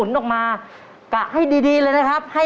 น่าจะได้